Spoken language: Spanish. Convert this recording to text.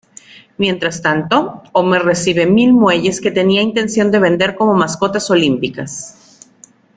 Mientras tanto, Homer recibe mil muelles que tenía intención de vender como mascotas olímpicas.